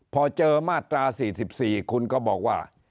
พอเจอมาตรา๔๔คุณก็บอกว่า